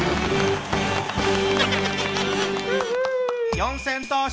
四千頭身。